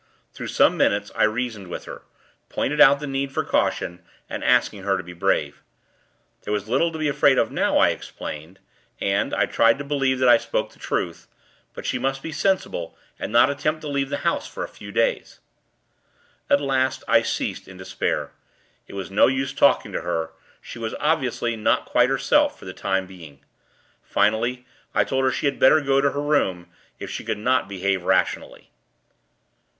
Through some minutes, I reasoned with her; pointing out the need for caution, and asking her to be brave. There was little to be afraid of now, I explained and, I tried to believe that I spoke the truth but she must be sensible, and not attempt to leave the house for a few days. At last, I ceased, in despair. It was no use talking to her; she was, obviously, not quite herself for the time being. Finally, I told her she had better go to her room, if she could not behave rationally.